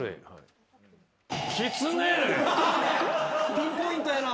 ピンポイントやな。